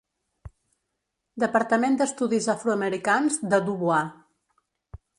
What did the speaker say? Departament d'Estudis Afroamericans de Du Bois.